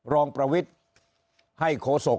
รองประวิทย์